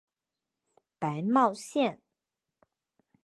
白茂线